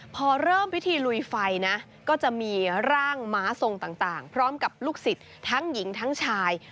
พอเริ่มพิธีลุยไฟนะก็จะมีร่างม้าทรงต่างพร้อมกับลูกศิษย์ทั้งหญิงทั้งชาย